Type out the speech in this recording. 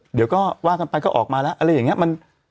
เดี๋ยวก็วาดกันไปก็ออกมาละ